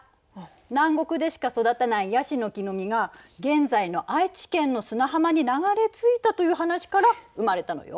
南国でしか育たない椰子の木の実が現在の愛知県の砂浜に流れ着いたという話から生まれたのよ。